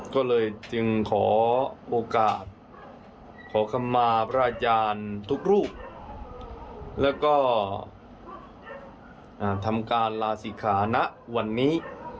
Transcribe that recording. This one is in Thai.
ก็เลยจึงขอโอกาสขอคำมาพระอาจารย์ทุกรูปแล้วก็ทำการลาศิขาณะวันนี้